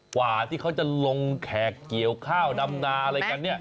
กว่าที่เขาจะลงแขกเกี่ยวข้าวดำนาอะไรกันเนี่ย